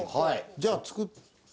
じゃあ作って。